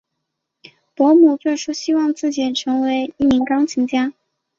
伯姆最初希望自己成为一名钢琴家。